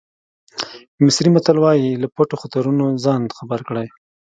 مصري متل وایي له پټو خطرونو ځان خبر کړئ.